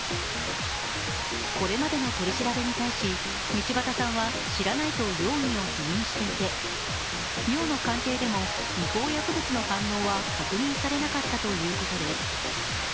これまでの取り調べに対し、道端さんは知らないと容疑を否認していて尿の鑑定でも違法薬物の反応は確認されなかったということです。